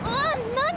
なに！？